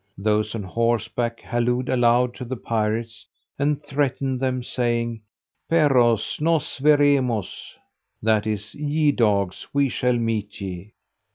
Those on horseback hallooed aloud to the pirates, and threatened them, saying, "Perros! nos veremos," that is, "Ye dogs! we shall meet ye."